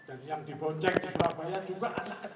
anak kecil juga